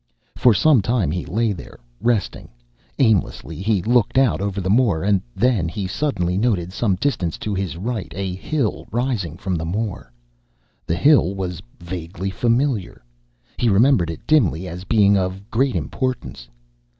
For some time he lay there, resting. Aimlessly he looked out over the moor, and then he suddenly noted, some distance to his right, a hill rising from the moor. The hill was vaguely familiar. He remembered it dimly as being of great importance.